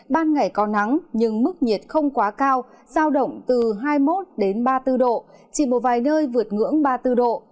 ban ngày có nắng nhưng mức nhiệt không quá cao sao động từ hai mươi một ba mươi bốn độ chỉ một vài nơi vượt ngưỡng ba mươi bốn độ